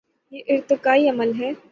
یہ ارتقائی عمل ہے۔